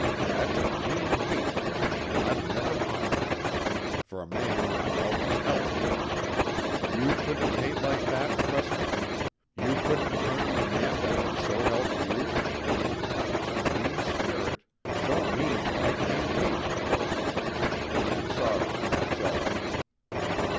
"That's a mean hate for a man I've never harmed. For a man I've always helped. You couldn't hate like that, Truscott? You couldn't turn on the man that had so helped you? It's a mean spirit; so mean that I can't hate him for it. I'm sorry that's all."